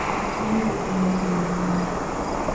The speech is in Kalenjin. Many people lost their land.